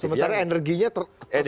sementara energinya terkesedot